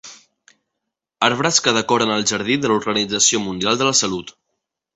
Arbres que decoren el jardí de l'Organització Mundial de la Salut.